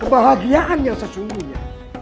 kebahagiaan yang sesungguhnya